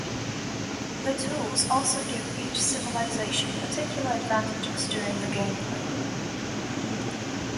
The tools also give each civilization particular advantages during the gameplay.